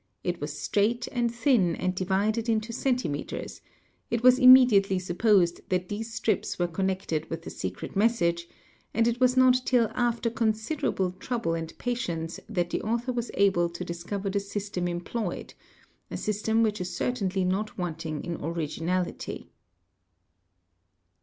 It was straight and thin and divided into © centimetres; it was immediately supposed that these strips were con — nected with the secret message, and it was not till after considerable — trouble and patience that the author was able to discover the system — employed, a system which is certainly not wanting in originality.